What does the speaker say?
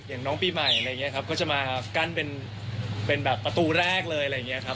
อย่างน้องปีใหม่อะไรอย่างนี้ครับก็จะมากั้นเป็นแบบประตูแรกเลยอะไรอย่างนี้ครับ